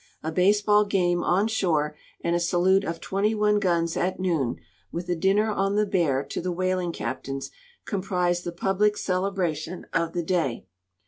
.A baseball game on shore and a salute of twenty one guns at noon, with a dinner on the Bear to the whaling captains, comprised the public celebration of the day.